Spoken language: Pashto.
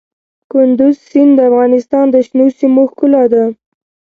کندز سیند د افغانستان د شنو سیمو ښکلا ده.